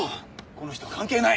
この人は関係ない。